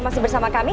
masih bersama kami